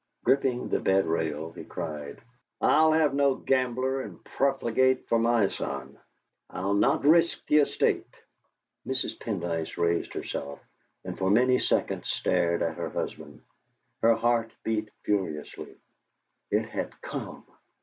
Gripping the bed rail, he cried: "I'll have no gambler and profligate for my son! I'll not risk the estate!" Mrs. Pendyce raised herself, and for many seconds stared at her husband. Her heart beat furiously. It had come!